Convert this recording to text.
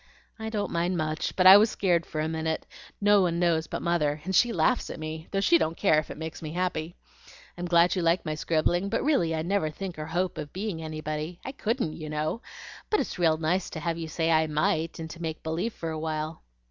"I don't mind much, but I was scared for a minute. No one knows but Mother, and she laughs at me, though she don't care if it makes me happy. I'm glad you like my scribbling, but really I never think or hope of being anybody. I couldn't, you know! but it's real nice to have you say I MIGHT and to make believe for a while."